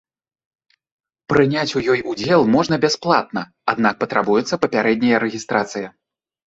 Прыняць у ёй удзел можна бясплатна, аднак патрабуецца папярэдняя рэгістрацыя.